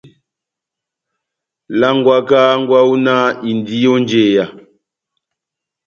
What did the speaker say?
Langwaka hángwɛ wawu náh indi ó njeya.